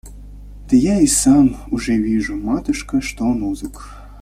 Да я и сам уже вижу, матушка, что он узок.